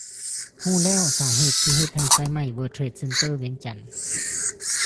ຮູ້ແລ້ວສາເຫດທີ່ໄຟໄໝ້ ເວີນເທຣດເຊັນເຕີ ວຽງຈັນ